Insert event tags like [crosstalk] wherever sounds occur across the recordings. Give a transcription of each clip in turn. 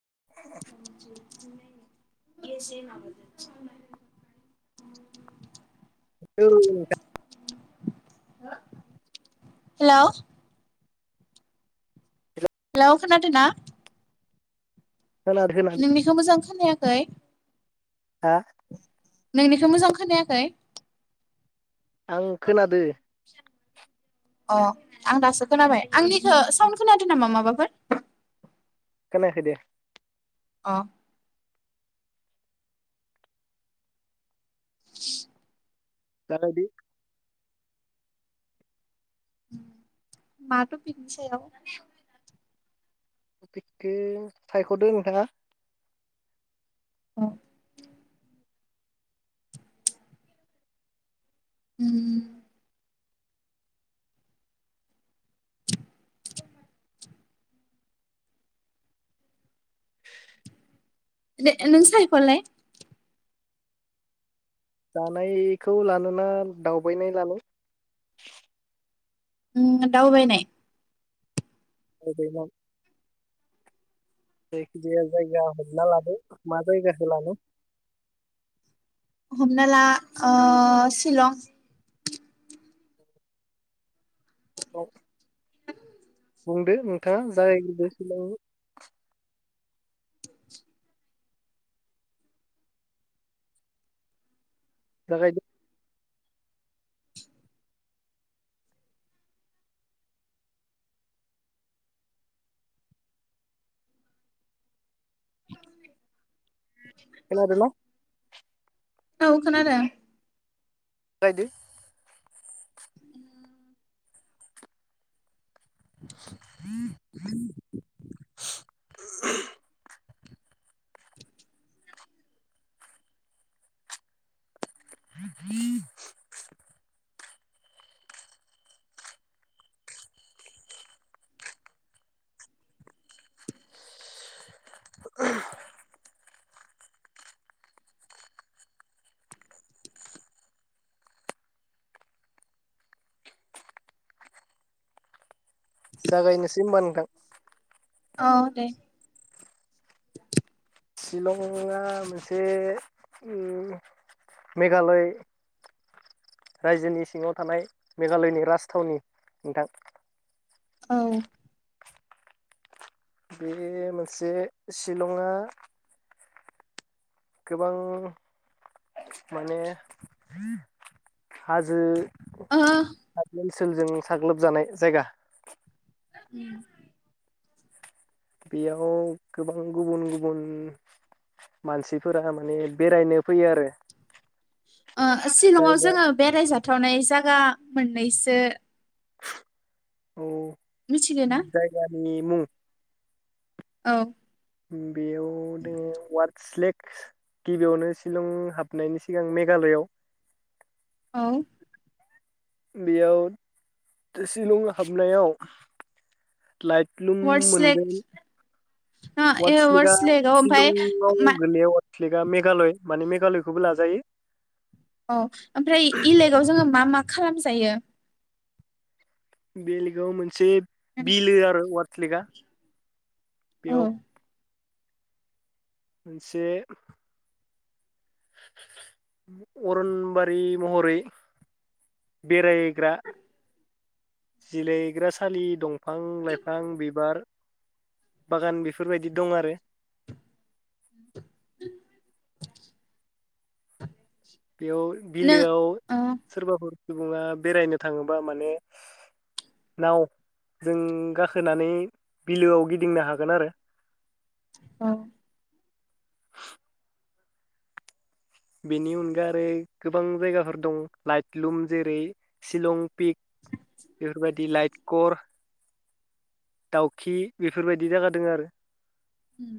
[inaudible] केसेैम आाब [inaudible] औ हेल हेल खोनादों ना खोनादो नोंनिखौ मोजां खोनायाखै खै हा नोंनिखौ मोजां खोनायाखै आं खोनादो अ आं दासो खोनाबाय आंनिखौ साउन्ड खोनादों नामा माबाफोर खोनाखै दे अ जागाय दो। माथ' पिकसायाव पिकखो सायख'दों नोंथाङा औ। उम। [inaudible] दे नों साहफलाय जानायखौ लानोना दावबायनाय लानो उम दावबायनाय। [unintelligible] जायखि जाया जायगा हमना लानो मा जायगाखो लानो? हमना ला ओ शिलं - औ। बुंदो नोंथाङा जायगायाव शिलं जागायदो। खोनादोंना? औ खोनादों। जागायदो। उ [inaudible] [inaudible] जागायनोसै होमबा नोंथां। औ दे। शिलंआ मोनसे मेघालय रायजोनि सिङाव थानाय मेघालयनि राजथावनि नोंथां। औ। बे मोनसे शिलंआ गोबां माने हाजो ओ। हाजो ओनसोलजों साग्लोबजानाय जायगा। उम। बेयाव गोबां गुबुन गुबुन मानसिफोरा माने बेरायनो फैयो आरो शिलंआव जायगा जोङो बेरायजाब थावनाय जायगा मोननैसो औ मिथिगो ना जायगानि मुं औ। बेयाव नोङ वार्ड सलेक् गिबियावनो शिलं हाबनायनि सिगां मेघालयआव औ। बेयाव शिलं हाबनायाव लाइट लुम वार्स लेक मोनगोन ओ ए वाटसलेकआ वार्स लेकआव ओमफाय सिलंआव मा गोलैया लेकआ मेघालय माने मेघालयखौबो लाजायो। औ ओमफ्राय इलेगाव जोङो मा मा खालामजायो? बेलेगाव मोन से बिलो आरो वात फ्लिगा औ बेयाव मोनसे अरनबारि महरै बेराय ग्रा जिलायग्रा सालि दं। फां लाइफां बिबार बागान बेफोरबायदि दं आरो। बेयाव नों बिलोआव औ सोरबाफोर सुबुङा बेरायनो थाङोबा माने नावजों गाखोनानै बिलोआव गिदिंनो हागोन आरो। औ बेनि अनगा आरो गोबां जायगाफोर दं लाइटलुम जेरै- शिलं पिक बेफोरबायदि लाइटकर दाउखि बेफोरबायदि जागादों आरो। उम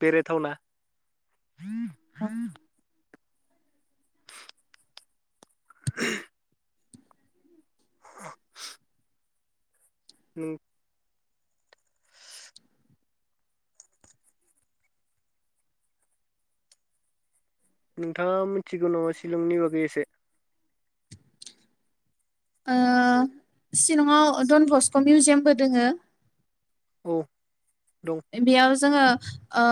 बेरायथावना [unintelligible] [unintelligible] नों नोंथाङा मिथिगौ नामा शिलंनि बागै एसे? ओ सिलंआव डन भस्क' मिउजियामबो दोङो औ दं एबेयावस जोङो ओ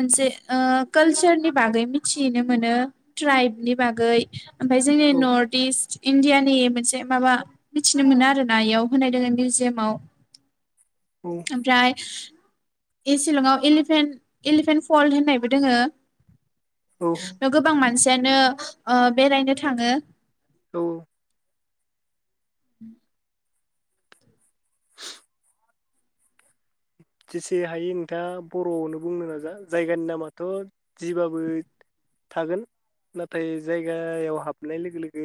मोनसे ओ कालसारनि बागै मिथियैनो मोनो ट्राइबनि बागै ओमफाय जोंनि औ नर्थ इस्ट इण्डियानि मोनसे माबा मिथिनो मोनो आरो ना इयाव होनायदोङो मिउजियामाव औ ओमफ्राय इ शिलंआव इलिफेन इलिफेन्ट फल होननायबो दोङो। औ [unintelligible] बेयाव गोबां मानसि जेनो ओ बेरायनो थाङो। औ उम जेसे हायो नोंथाङा बर'आवनो बुंनो नाजा जायगानि नामाथ' जिबाबो थागोन नाथाय जायगायाव हाबनाय लोगो लोगो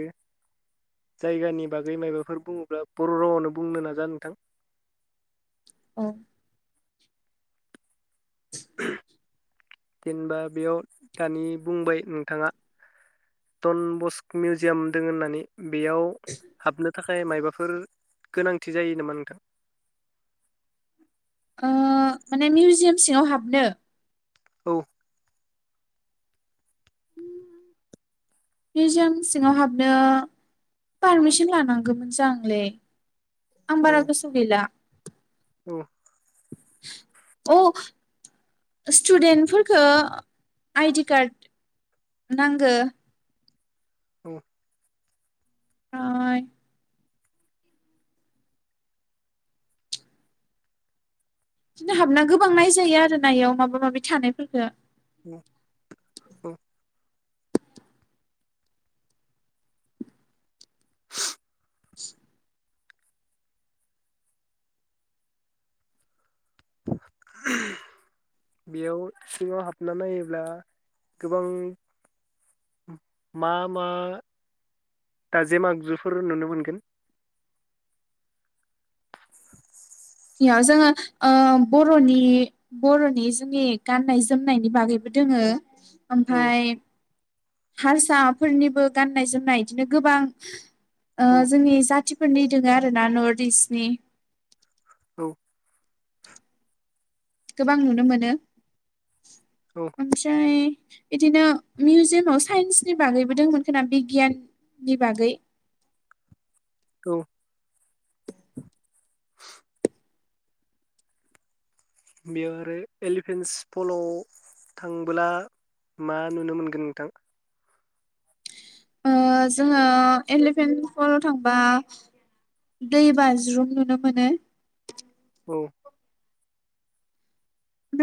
जायगानि बागै माबाफोर बुङोब्ला बर' रावावनो बुंनो नाजा नोंथां। औ जेनबा बेयाव दानि बुंबाय नोंथाङा टन बस्क मिउजियाम दङ होननानै बेयाव हाबनो थाखाय मायबाफोर गोनांथि जायो नामा नोंथां? ओ माने मिउजियाम सिङाव हाबनो औ मिउजायाम सिङाव हाबनो पारमिसन लानांगौ मोन जांलै। आं औ बारा गोसोयाव गैला। औ अ स्टुडेन्टफोरखौ आइडि कार्ड नांगो औ फ्राय बिदिनो हाबना गोबां नायजायो आरो ना एयाव माबा माबि थानायफोरखौ। औ औ [inaudible] बेयाव सिङाव हाबना नायोबा गोबां मा मा दाजेम आगजुफोर नुनो मोनगोन? बेयाव जोङो ओ बर'नि बर'नि जोंनि गाननाय जोमनायनि बागैबो दोङो। औ ओमफ्राय हारसाफोरनिबो गाननाय जोमनाय बिदिनो गोबां ओ औ जोंनि जाथिफोरनि दङ आरो ना नर्थ इस्टनि औ गोबां नुनो मोनो। औ ओमफ्राय बिदिनो मिउजियामाव साइन्सनि बागैबो दंमोन खोमा बिगियाननि बागै दं। बेयाव आरो एलिफेन्स फलाव थांब्ला मा नुनो मोनगोन नोंथां? ओ जोङो एलिफेन्ट फलाव थांबा दै बाज्रुम नुनो मोनो। औ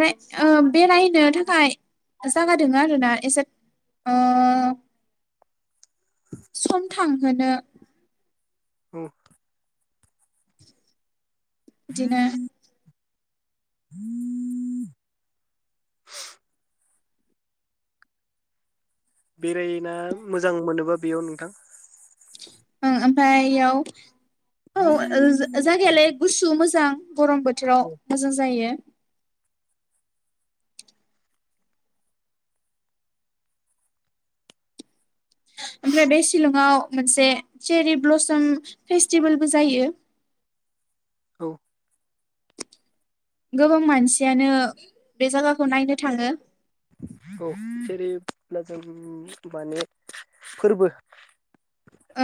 ओमफ्राय ओ बेरायनो थाखाय जागा दङ आरोना एसे ओ सम थां मोनो औ बिदिनो [inaudible] बेरायना मोजां मोनोबा बेयाव नोंथां ओं ओमफाय एयाव औ ओ जो-गायगायालाय गुसु मोजां गरम बोथोराव औ मोजां जायो। ओमफ्राय बे शिलंआव मोनसे चेरि ब्लसम फेस्टिभेलबो जायो। औ गोबां मानसियानो बे जायगाखौ नायनो थाङो। औ जेरैब्ला जों माने फोरबो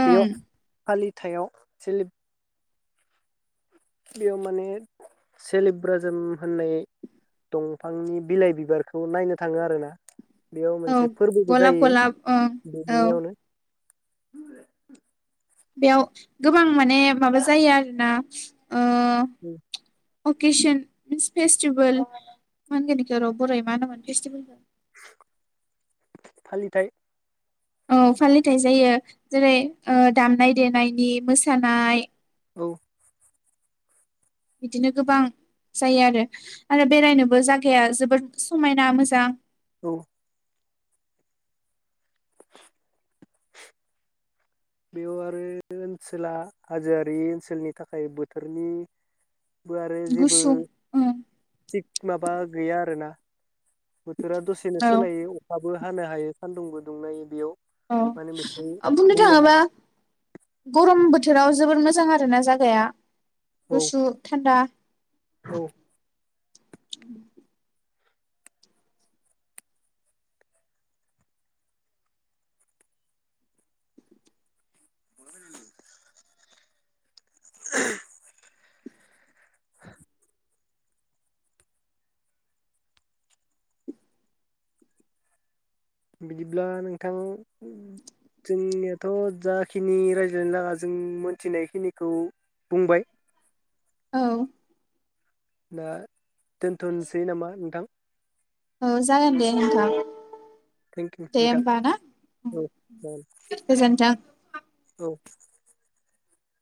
ओं खालि हुथायाव सेले बेयाव माने सलिब्राजोम होननाय दंफांनि बिलाइ बिबारखौ नायनो थाङो आरो ना। बेयाव औ मोनसे फोरबोबो गलाब जाहायो गलाब ओं औ दुब्लि आव नो [inaudible] बेयाव गोबां माने माबा जायो आरोना ओ उम अकेसन मिन्स फेस्टिभेल मा होगोन बेखौ बर आव मा होनोमोन फेस्टिभेलखौ? फालिथाय औ फालिथाय जायो जेरै ओ दामनाय देनायनि मोसानाय औ बिदिनो गोबां जायो आरो आरो बेरायनोबो जागाया जोबोद समायना मोजां औ बेयाव आरो ओनसोला हाजोआरि ओनसोलनि थाखाय बोथोरनि बो आरो जेबो गुसुं ओं थिग माबा गैया आरो ना बोथोरा दसेनो औ सोलायो अखाबो हानो हायो सान्दुंबो दुंनाय बेयाव माने बेखौ औ बुंनो थाङोबा हाया गरम बोथोर बोथोराव जोबोर मोजां आरो ना जायगाया औ गुसु थान्दा औ उम [inaudible] [inaudible] बिदिब्ला नोंथां जोंनियाथ जाखिनि रायज्लायनो लागा जों मोनथिनायखिनिखौ बुंबाय। औ दा दोनथनोसै नामा नोंथां? औ जागोन दे नोंथां। थेंकिउ दे नोंथां होमबा ना औ गोजोन्थों औ